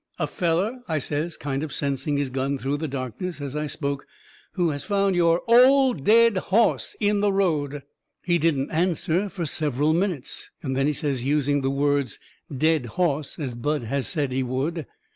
"A feller," I says, kind of sensing his gun through the darkness as I spoke, "who has found your OLD DEAD HOSS in the road." He didn't answer fur several minutes. Then he says, using the words DEAD HOSS as Bud had said he would.